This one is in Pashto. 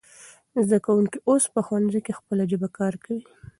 زده کوونکی اوس په ښوونځي کې خپله ژبه کارکوي.